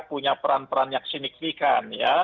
punya peran peran yang sinik sikikan